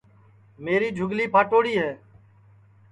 میری جھُگلی پھاٹوڑی ہے